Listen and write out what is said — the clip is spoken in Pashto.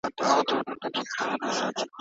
ساحوي څېړنه د کتابتون تر څېړني سخته ده.